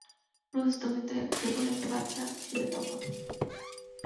Bruce, তুমি তো কেবল একটা বাচ্চা ছিলে তখন।